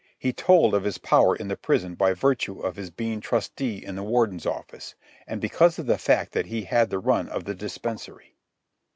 He told of his power in the prison by virtue of his being trusty in the Warden's office, and because of the fact that he had the run of the dispensary.